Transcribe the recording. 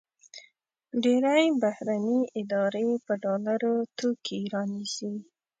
ډېری بهرني ادارې په ډالرو توکي رانیسي.